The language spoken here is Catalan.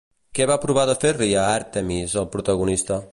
Què va provar de fer-li a Àrtemis el protagonista?